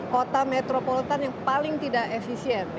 kota metropolotan yang paling tidak efisien